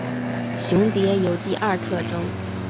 雄蝶有第二性征。